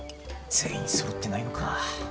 全員そろってないのか。